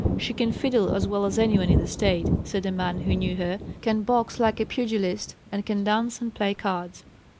"She can fiddle as well as anyone in the State," said a man who knew her, "can box like a pugilist, and can dance and play cards."